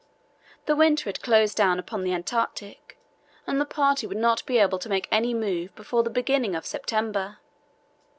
The winter had closed down upon the Antarctic and the party would not be able to make any move before the beginning of September.